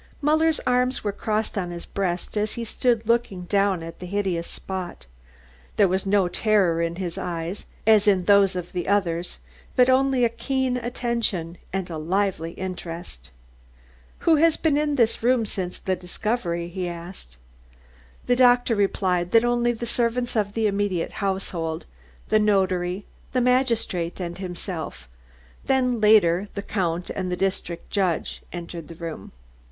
Muller's arms were crossed on his breast as he stood looking down at the hideous spot. There was no terror in his eyes, as in those of the others, but only a keen attention and a lively interest. "Who has been in this room since the discovery?" he asked. The doctor replied that only the servants of the immediate household, the notary, the magistrate, and himself, then later the Count and the district judge entered the room.